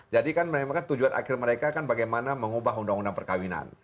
jadi kan memang tujuan akhir mereka kan bagaimana mengubah undang undang perkawinan